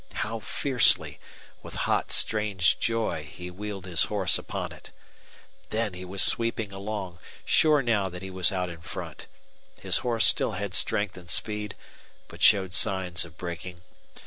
How fiercely, with hot, strange joy, he wheeled his horse upon it! Then he was sweeping along, sure now that he was out in front. His horse still had strength and speed, but showed signs of breaking.